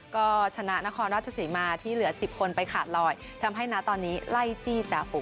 ก็ชนะนครราชศรีมาที่เหลือ๑๐คนไปขาดลอยทำให้นะตอนนี้ไล่จี้จ่าฝูง